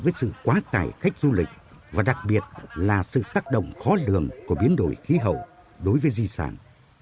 với sự quá tải khách du lịch và đặc biệt là sự tác động khó lường của biến đổi khí hậu đối với di sản